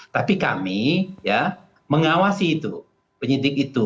tapi kami ya mengawasi itu penyidik itu